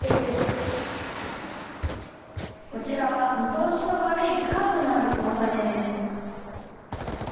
こちらは見通しの悪いカーブのある交差点です。